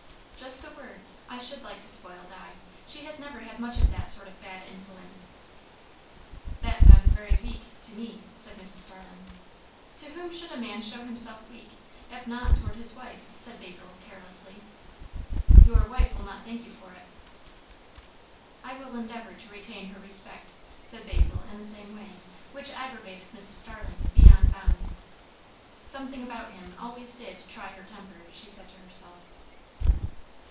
"Just the words. I should like to spoil Di. She has never had much of that sort of bad influence." "That sounds very weak, to me," said Mrs. Starling. "To whom should a man show himself weak, if not toward his wife?" said Basil carelessly. "Your wife will not thank you for it." "I will endeavour to retain her respect," said Basil in the same way; which aggravated Mrs. Starling, beyond bounds. Something about him always did try her temper, she said to herself.